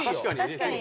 確かに。